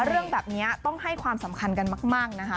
เรื่องแบบนี้ต้องให้ความสำคัญกันมากนะคะ